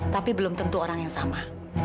tapi belum tentu orang yang sama